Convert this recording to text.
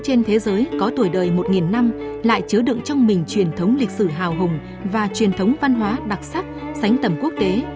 trên thế giới có tuổi đời một năm lại chứa đựng trong mình truyền thống lịch sử hào hùng và truyền thống văn hóa đặc sắc sánh tầm quốc tế